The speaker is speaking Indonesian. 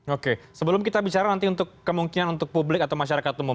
oke sebelum kita bicara nanti untuk kemungkinan untuk publik atau masyarakat umum